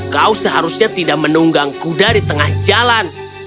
kau seharusnya tidak menunggang kuda di tengah jalan